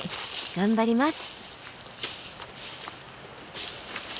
頑張ります！